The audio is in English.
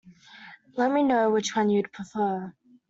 Let me know which one you'd prefer.